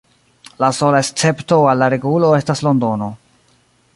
La sola escepto al la regulo estas Londono.